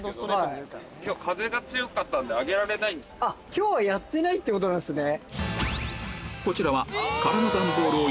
今日はやってないってことなんすね。